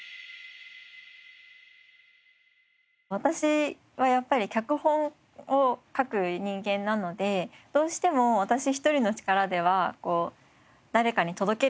私はやっぱり脚本を書く人間なのでどうしても私一人の力では誰かに届けるっていうのが。